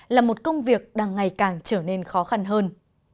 là một công việc đang ngày càng trở nên khó khăn hơn